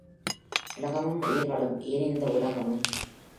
உலகமும் உயிர்களும் ஏன் இந்த உலகம்?